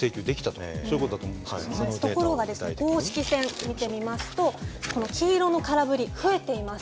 ところが公式戦見てみますとこの黄色の空振り増えています。